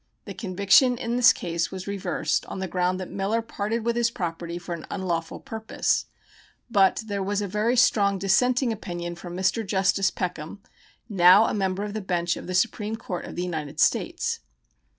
The conviction in this case was reversed on the ground that Miller parted with his property for an unlawful purpose; but there was a very strong dissenting opinion from Mr. Justice Peckham, now a member of the bench of the Supreme Court of the United States.